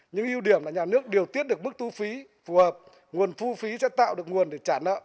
những ưu điểm là nhà nước điều tiết được mức thu phí phù hợp nguồn thu phí sẽ tạo được nguồn để trả nợ